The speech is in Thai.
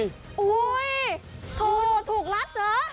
โอ้โฮโทรถูกรัดเหรอ